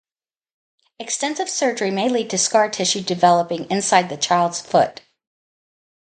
Extensive surgery may lead to scar tissue developing inside the child's foot.